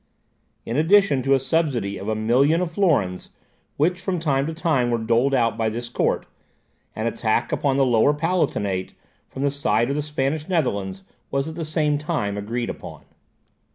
In addition to a subsidy of a million of florins, which from time to time were doled out by this court, an attack upon the Lower Palatinate, from the side of the Spanish Netherlands, was at the same time agreed upon.